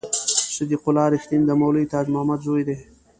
صدیق الله رښتین د مولوي تاج محمد زوی دی.